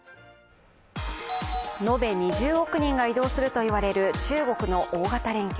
延べ２０億人が移動するといわれる中国の大型連休。